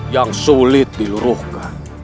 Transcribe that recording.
yang sulit diluruhkan